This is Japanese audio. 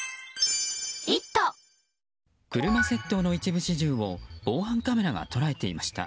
車窃盗の一部始終を防犯カメラが捉えていました。